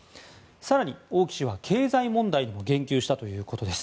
更に、王毅氏は経済問題にも言及したということです。